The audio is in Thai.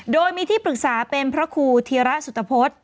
โดยมีที่ปรึกษาเป็นพระครูธีระสุตพฤษ